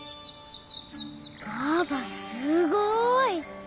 ばあばすごーい！